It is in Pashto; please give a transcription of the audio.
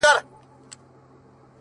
جنگ روان ـ د سولي په جنجال کي کړې بدل”